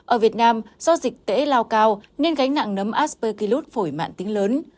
ở việt nam do dịch tễ lao cao nên gánh nặng nấm aspergillus phổi mạng tính lớn